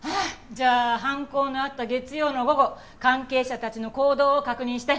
じゃあ犯行のあった月曜の午後関係者たちの行動を確認して。